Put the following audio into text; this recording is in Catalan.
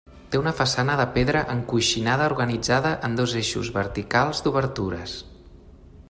Té una façana de pedra encoixinada organitzada en dos eixos verticals d'obertures.